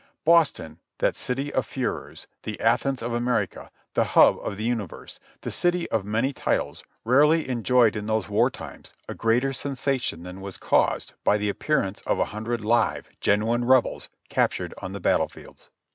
Boston, that city of furores, the Athens of America, the Hub of the Universe, the city of many titles, rarely enjoyed in those war times a greater sensation than was caused by the appearance of a hundred live, genuine Rebels, captured on the battle fields.